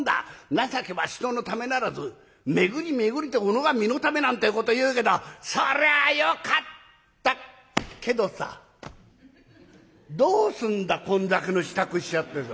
『情けは人のためならず巡り巡りておのが身のため』なんてえこと言うけどそりゃよかったけどさどうすんだこんだけの支度しちゃってさ。